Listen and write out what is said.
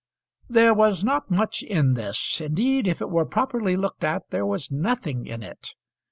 There was not much in this. Indeed if it were properly looked at there was nothing in it.